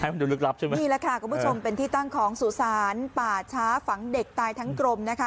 มันดูลึกลับใช่ไหมนี่แหละค่ะคุณผู้ชมเป็นที่ตั้งของสุสานป่าช้าฝังเด็กตายทั้งกรมนะคะ